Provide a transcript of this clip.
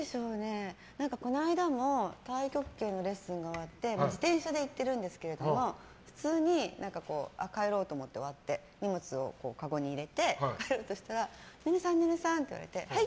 この間も太極拳のレッスンがあって自転車で行ってるんですけど普通に、終わって帰ろうと思って荷物をかごに入れて帰ろうとしたら寧々さん！って言われてはい？